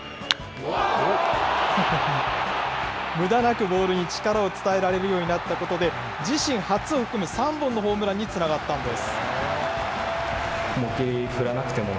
むだなくボールに力を伝えられるようになったことで、自身初を含む３本のホームランにつながったんです。